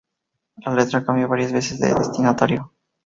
La letra cambia varias veces de destinatario.